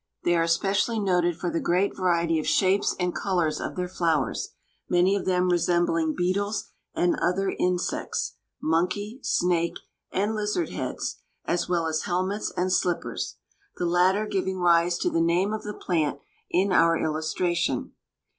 They are especially noted for the great variety of shapes and colors of their flowers, many of them resembling beetles and other insects, monkey, snake, and lizard heads, as well as helmets and slippers, the latter giving rise to the name of the plant in our illustration.